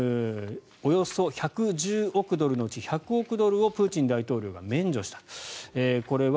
およそ１１０億ドルのうち１００億ドルをプーチン大統領は免除した。